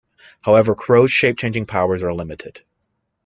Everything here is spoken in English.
However, Kro's shape-changing powers are limited.